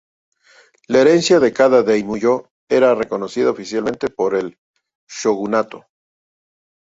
La herencia de cada daimyō era reconocida oficialmente por el shogunato.